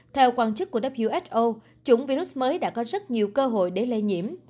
theo quan chức của who chủng virus mới đã có rất nhiều cơ hội để lây nhiễm